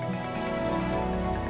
jauhi keluarga kamu